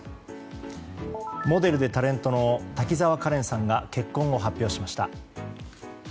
モデルでタレントの滝沢カレンさんが結婚を発表しました。